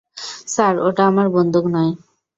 Sir, ওটা আমার বন্দুক নয়।